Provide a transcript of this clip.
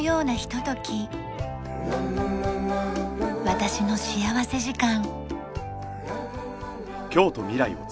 『私の幸福時間』。